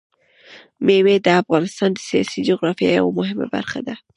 مېوې د افغانستان د سیاسي جغرافیه یوه مهمه برخه ده.